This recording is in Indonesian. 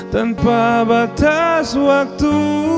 tanpa batas waktu